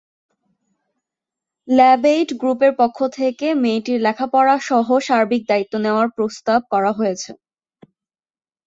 ল্যাবএইড গ্রুপের পক্ষ থেকে মেয়েটির লেখাপড়াসহ সার্বিক দায়িত্ব নেওয়ার প্রস্তাব করা হয়েছে।